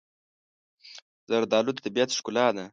زردالو د طبیعت ښکلا ده.